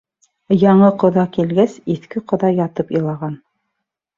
Яңы ҡоҙа килгәс, иҫке ҡоҙа ятып илаған.